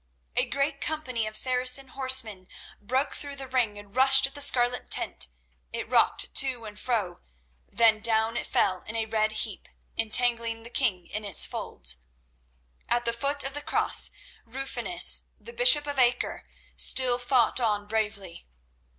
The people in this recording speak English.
A great company of Saracen horsemen broke through the ring and rushed at the scarlet tent. It rocked to and fro, then down it fell in a red heap, entangling the king in its folds. At the foot of the Cross, Rufinus, the bishop of Acre, still fought on bravely.